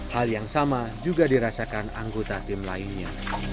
hal yang sama juga dirasakan anggota tim lainnya